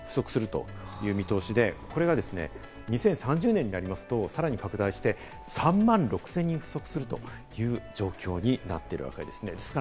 そういう見通しで、これが２０３０年になりますと、さらに拡大して３万６０００人不足するという状況になっているわけです。